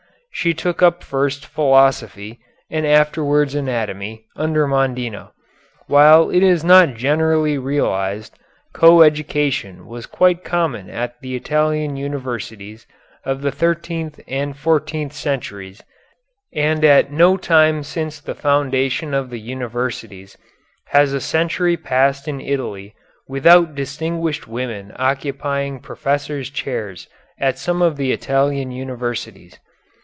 She took up first philosophy, and afterwards anatomy, under Mondino. While it is not generally realized, co education was quite common at the Italian universities of the thirteenth and fourteenth centuries, and at no time since the foundation of the universities has a century passed in Italy without distinguished women occupying professors' chairs at some of the Italian universities.